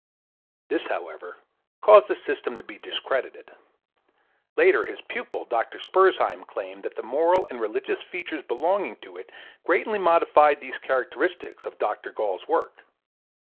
This, however, caused the system to be discredited. Later his pupil, Dr. Spurzheim, claimed that the moral and religious features belonging to it greatly modified these characteristics of Dr. Gall's work.